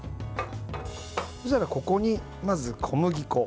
そうしたらここに、まず小麦粉。